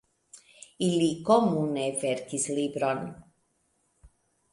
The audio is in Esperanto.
Ili komune verkis libron.